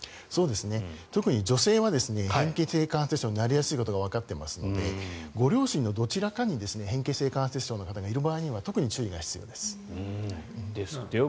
特に女性は変形性関節症になりやすいことがわかっていますのでご両親のどちらかに変形性ひざ関節症の方がいる場合には特に注意が必要です。ですってよ。